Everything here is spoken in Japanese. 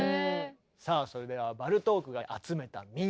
さあそれではバルトークが集めた民謡。